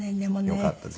よかったです。